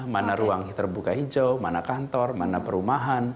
mana ruang terbuka hijau mana kantor mana perumahan